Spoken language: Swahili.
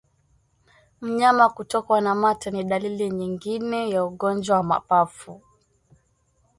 Mnyama kutokwa na mate ni dalili nyingine ya ugonjwa wa mapafu